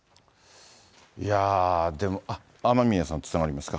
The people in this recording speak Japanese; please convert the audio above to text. いやぁ、雨宮さんとつながりますか。